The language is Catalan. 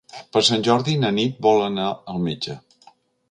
Per Sant Jordi na Nit vol anar al metge.